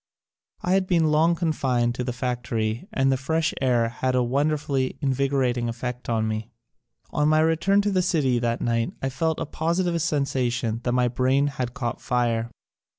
I had been long confined to the factory and the fresh air had a wonderfully invigorating effect on me. On my return to the city that night I felt a positive sensation that my brain had caught fire.